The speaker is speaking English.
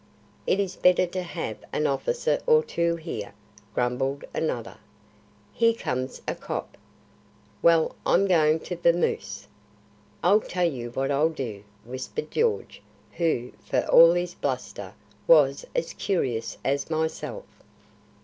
"It is better to have an officer or two here," grumbled another. "Here comes a cop." "Well, I'm going to vamoose." "I'll tell you what I'll do," whispered George, who, for all his bluster was as curious as myself.